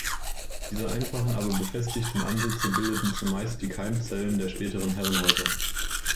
Diese einfachen, aber befestigten Ansitze bildeten zumeist die Keimzellen der späteren Herrenhäuser.